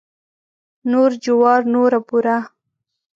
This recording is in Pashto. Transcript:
نور جوار نوره بوره.